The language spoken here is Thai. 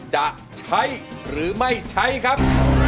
จะใช้หรือไม่ใช้ครับ